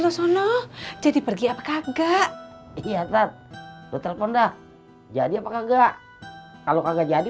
lo sono jadi pergi apa kagak iya tak lo telepon dah jadi apa kagak kalau kagak jadi